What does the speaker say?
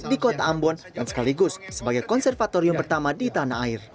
di kota ambon dan sekaligus sebagai konservatorium pertama di tanah air